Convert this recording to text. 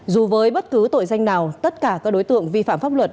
dù với bất cứ tội danh nào tất cả các đối tượng vi phạm pháp luật